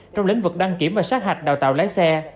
trong lĩnh vực đăng kiểm và sát hạch đào tạo lái xe